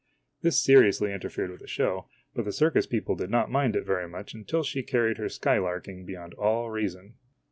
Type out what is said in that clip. This seriously interfered with the show, but the circus people did not mind it very much until she carried her skylarking beyond all reason.